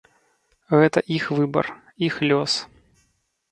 Гэта іх выбар, іх лёс.